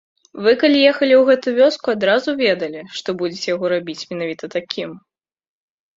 Вы калі ехалі ў гэту вёску, адразу ведалі, што будзеце яго рабіць менавіта такім?